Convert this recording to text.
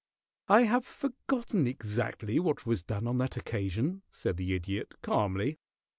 "I have forgotten exactly what was done on that occasion," said the Idiot, calmly.